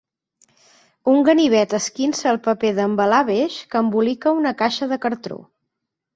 Un ganivet esquinça el paper d'embalar beix que embolica una caixa de cartró.